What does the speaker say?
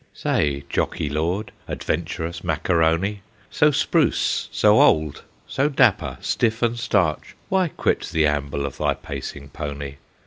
* Say, Jockey Lord, adventurous Macaroni, So spruce, so old, so dapper, stiff, and starch, Why quit the amble of thy pacing pony